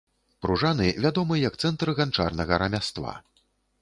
Пружаны вядомы як цэнтр ганчарнага рамяства.